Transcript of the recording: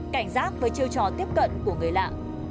cảnh giác với chiêu trò tiếp cận của người lạ